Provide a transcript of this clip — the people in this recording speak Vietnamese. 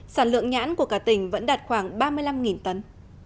sản lượng nhãn của cả tỉnh vẫn đạt khoảng ba mươi năm tấn